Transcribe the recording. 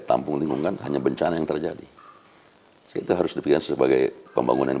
tampung lingkungan hanya bencana yang terjadi itu harus dipikirkan sebagai pembangunan